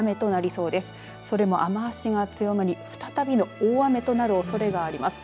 それも雨足が強まり、再び大雨となるおそれがあります。